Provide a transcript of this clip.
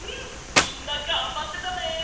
みんながんばってたね！